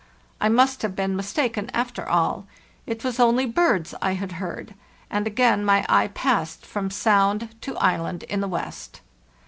I must have been mis taken, after all; it was only birds I had heard; and again my eye passed from sound to island in the west.